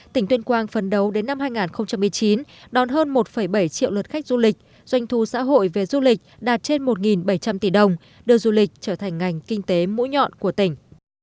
tỉnh tuyên quang phấn đấu đến năm hai nghìn một mươi chín đón hơn một bảy triệu lượt khách du lịch doanh thu xã hội về du lịch đạt trên một bảy trăm linh tỷ đồng đưa du lịch trở thành ngành kinh tế mũi nhọn của tỉnh